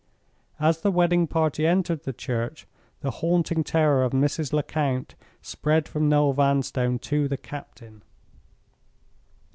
As the wedding party entered the church, the haunting terror of Mrs. Lecount spread from Noel Vanstone to the captain.